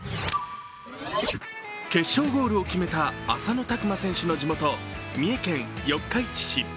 決勝ゴールを決めた浅野拓磨選手の地元、三重県四日市市。